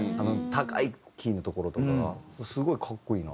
高いキーのところとかがすごい格好いいな。